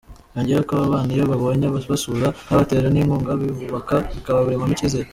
Yongeyeho ko aba bana iyo babonye ababasura babatera n’inkunga bibubaka bikabaremamo icyizere.